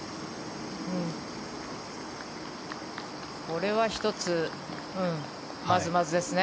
これは１つまずまずですね。